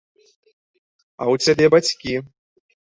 А ў цябе бацькі.